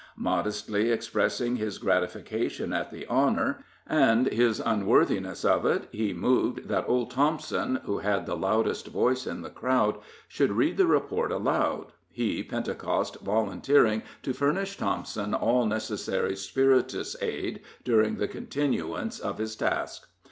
Modestly expressing his gratification at the honor, and his unworthiness of it, he moved that old Thompson, who had the loudest voice in the crowd, should read the report aloud, he, Pentecost, volunteering to furnish Thompson all necessary spirituous aid during the continuance of his task.